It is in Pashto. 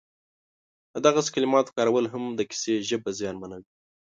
د دغسې کلماتو کارول هم د کیسې ژبه زیانمنوي